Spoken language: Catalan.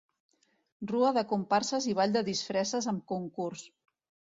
Rua de comparses i ball de disfresses amb concurs.